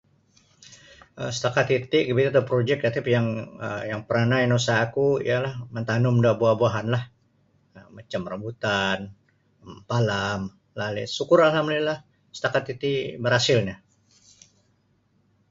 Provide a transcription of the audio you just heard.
um Satakat iti kimio da parujik tapi um yang yang paranah niusaha ku ialah mantanum da buah-buahan lah macam rambutan mampalam lalit syukur Alhamdulillah setakat titi barasil nio.